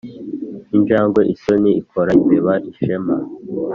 injangwe isoni ikora imbeba ishema.